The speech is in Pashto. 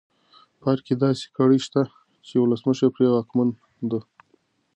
په ارګ کې داسې کړۍ شته چې د ولسمشر پرې واکمنه ده.